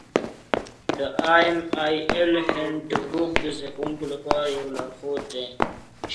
د ایم ایل اې هینډبوک د زده کوونکو لپاره یو لارښود دی.